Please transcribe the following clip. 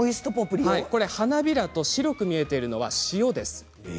花びらと白く見えてるのは塩です。